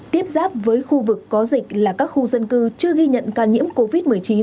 tiếp giáp với khu vực có dịch là các khu dân cư chưa ghi nhận ca nhiễm covid một mươi chín